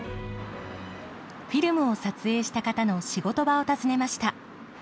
フィルムを撮影した方の仕事場を訪ねました。